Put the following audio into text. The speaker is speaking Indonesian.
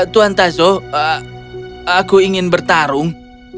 tuan tazo aku ingin bertarung